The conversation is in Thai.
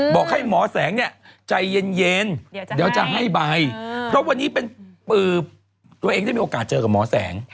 บอกให้หมอแสงเนี่ยใจเย็นเดี๋ยวจะให้ใบเพราะวันนี้เป็นตัวเองได้มีโอกาสเจอกับหมอแสง